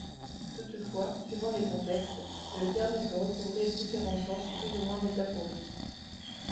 Toutefois, suivant les contextes, le terme peut recouvrir différents sens plus ou moins métaphoriques.